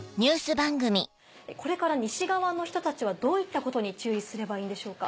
これから西側の人たちはどういったことに注意すればいいんでしょうか？